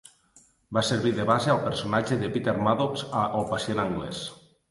Va servir de base al personatge de Peter Madox a "El pacient anglès".